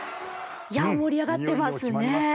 盛り上がってますね。